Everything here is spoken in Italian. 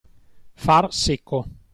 Far secco.